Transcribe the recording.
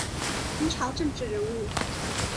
明朝政治人物。